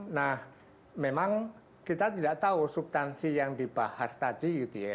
nah memang kita tidak tahu subtansi yang dibahas tadi